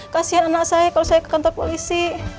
kasian anak saya kalau saya ke kantor polisi